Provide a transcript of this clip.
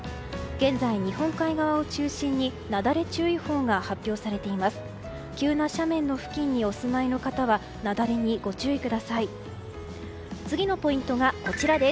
現在、日本海側を中心になだれ注意報が発表されています。